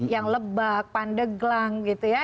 yang lebak pandai gelang gitu ya